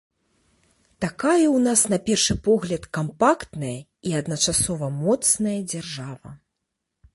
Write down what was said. Такая ў нас на першы погляд кампактная і адначасова моцная дзяржава.